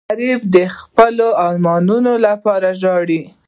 غریب د خپلو ارمانونو لپاره ژاړي